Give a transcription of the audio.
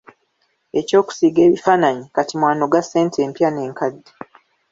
Eky’okusiiga ebifaananyi kati mw’anoga ssente empya n’enkadde.